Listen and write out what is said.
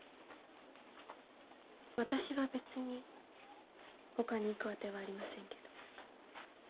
私は別に他に行く当てはありませんけど。